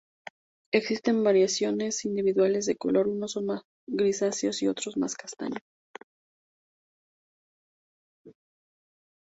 Existen variaciones individuales de color, unos son más grisáceos y otros más castaños.